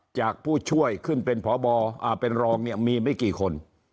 จากผู้ช่วยขึ้นเป็นพบเป็นรองเนี่ยมีไม่กี่คน